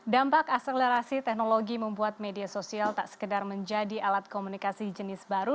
dampak akselerasi teknologi membuat media sosial tak sekedar menjadi alat komunikasi jenis baru